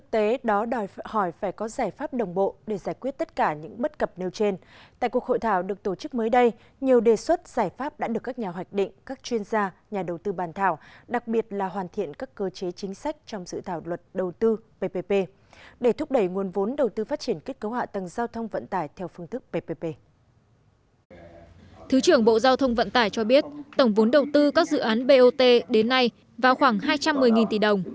thứ trưởng bộ giao thông vận tải cho biết tổng vốn đầu tư các dự án bot đến nay vào khoảng hai trăm một mươi tỷ đồng